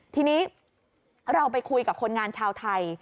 ทีนี้เราไปคุยกับคนงานชาวไทย